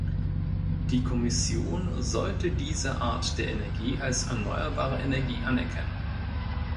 Die Kommission sollte diese Art der Energie als erneuerbare Energie anerkennen.